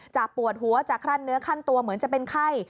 ปวดหัวจะคลั่นเนื้อขั้นตัวเหมือนจะเป็นไข้